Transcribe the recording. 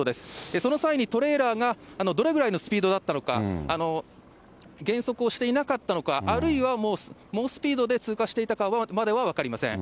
その際に、トレーラーがどれぐらいのスピードだったのか、減速をしていなかったのか、あるいは猛スピードで通過していたかまでは分かりません。